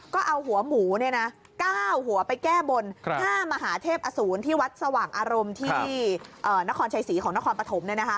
ก็เอาหัวหมู๙หัวไปแก้บน๕มหาเทพอสูรที่วัดสว่างอารมณ์ที่นครชัยศรีของนครปฐม